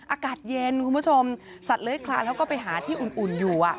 อากาศเย็นคุณผู้ชมสัตว์เลื้อยคลานเขาก็ไปหาที่อุ่นอยู่